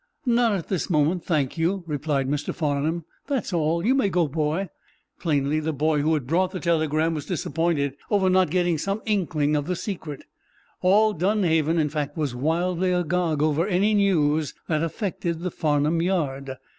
"Not at this moment, thank you," replied Mr. Farnum. "That is all; you may go, boy." Plainly the boy who had brought the telegram was disappointed over not getting some inkling of the secret. All Dunhaven, in fact, was wildly agog over any news that affected the Farnum yard.